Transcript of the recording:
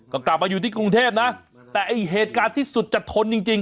ก็กลับมาอยู่ที่กรุงเทพนะแต่ไอ้เหตุการณ์ที่สุดจะทนจริงจริง